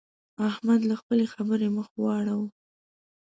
احمد له خپلې خبرې مخ واړاوو.